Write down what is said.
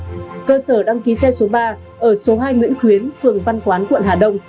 cụ thể cơ sở đăng ký xe số hai ở ba trăm bốn mươi hai b thái hà nội phường trung liệt quận đống đà hà nội